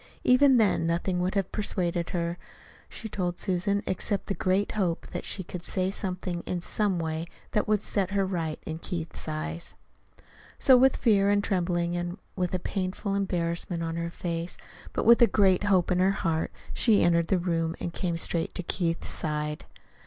Even then nothing would have persuaded her, she told Susan, except the great hope that she could say something, in some way, that would set her right in Keith's eyes. So with fear and trembling and with a painful embarrassment on her face, but with a great hope in her heart, she entered the room and came straight to Keith's side.